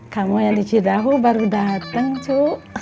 kamu yang dari cirehow baru dateng cu